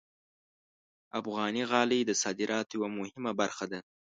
افغاني غالۍ د صادراتو یوه مهمه برخه ده.